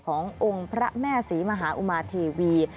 ขององค์พระแม่ศรีมหาอุมาเทวี